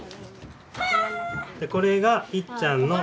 これがいっちゃんの年。